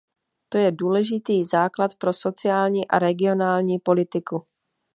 To je důležitý základ pro sociální a regionální politiku.